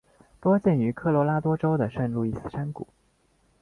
多见于科罗拉多州的圣路易斯山谷。